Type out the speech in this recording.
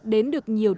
đến được các cơ hội mới